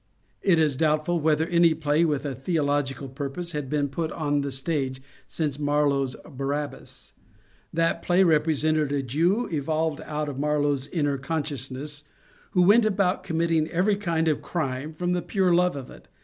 It is doubtful whether any play with a theological purpose had been put on the stage since Marlowe's *' Barabbas." That play represented a Jew evolved out of Marlowe's inner con sciousness who went about committing every kind of crime from the pure love of it.